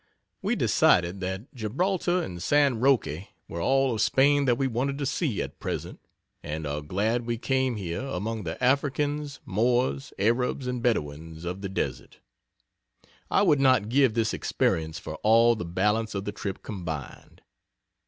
We decided that Gibraltar and San Roque were all of Spain that we wanted to see at present and are glad we came here among the Africans, Moors, Arabs and Bedouins of the desert. I would not give this experience for all the balance of the trip combined.